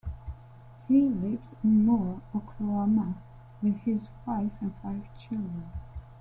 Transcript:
He lives in Moore, Oklahoma, with his wife and five children.